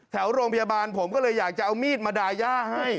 แถวโรงพยาบาลผมก็เลยอยากจะเอามีดมาดาย่าให้